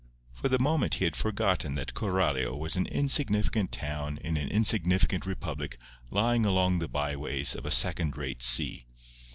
For the moment he had forgotten that Coralio was an insignificant town in an insignificant republic lying along the by ways of a second rate sea.